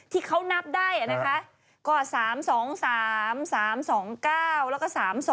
ที่เขานับได้นะคะก็๓๒๓๓๒๙แล้วก็๓๒